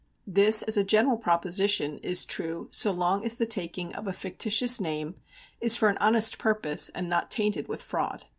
This as a general proposition is true so long as the taking of a fictitious name is for an honest purpose and not tainted with fraud.